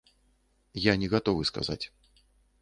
Я не гатовы сказаць.